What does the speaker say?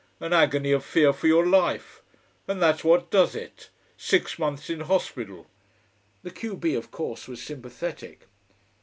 An agony of fear for your life. And that's what does it. Six months in hospital ! The q b, of course, was sympathetic.